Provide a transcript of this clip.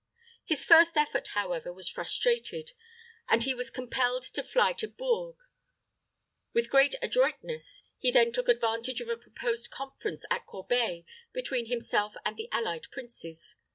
His first effort, however, was frustrated, and he was compelled to fly to Bourges. With great adroitness, he then took advantage of a proposed conference at Corbeil between himself and the allied princes.